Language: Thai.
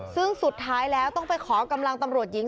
ซึ่งสุดท้ายแล้วต้องไปขอกำลังตำรวจหญิง